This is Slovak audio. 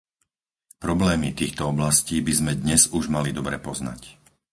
Problémy týchto oblastí by sme dnes už mali dobre poznať.